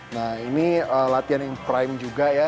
nah ini latihan yang prime juga ya